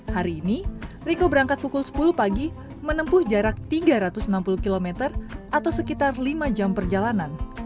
hari ini riko berangkat pukul sepuluh pagi menempuh jarak tiga ratus enam puluh km atau sekitar lima jam perjalanan